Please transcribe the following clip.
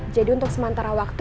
jadi untuk sementara waktu